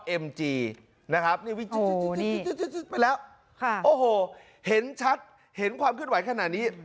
จีนะครับนี่ไปแล้วโอ้โหเห็นชัดเห็นความเคลื่อนไหวขนาดนี้